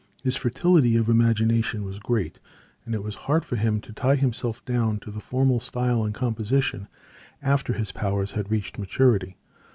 His fertility of imagination was great and it was hard for him to tie himself down to the formal style in composition, after his powers had reached maturity.